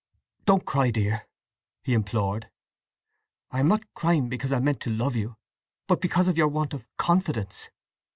"Don't cry, dear!" he implored. "I am—not crying—because I meant to—love you; but because of your want of—confidence!"